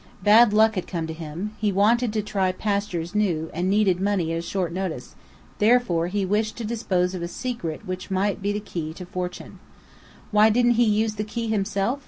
Bad luck had come to him; he wanted to try pastures new, and needed money at short notice: therefore he wished to dispose of a secret which might be the key to fortune. Why didn't he use the key himself?